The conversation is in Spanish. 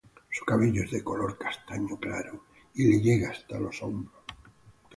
Su cabello es de color castaño claro y le llega hasta los hombros.